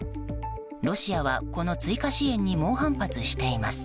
ロシアは、この追加支援に猛反発しています。